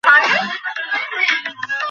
যদি ও ফিরে আসে, আমরা ওকে সারপ্রাইজ দেবো।